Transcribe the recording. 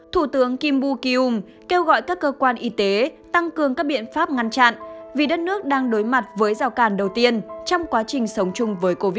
thủ tướng kim buk yung kêu gọi các cơ quan y tế tăng cường các biện pháp ngăn chặn vì đất nước đang đối mặt với rào càn đầu tiên trong quá trình sống